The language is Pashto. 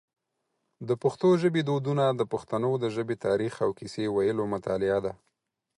د پښتو ژبی دودونه د پښتنو د ژبی تاریخ او کیسې ویلو مطالعه ده.